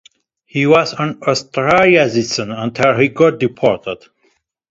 He was an Australian citizen until he got deported.